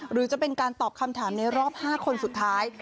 หรือจะเป็นการตอบคำถามในรอบ๕คนสุดท้าย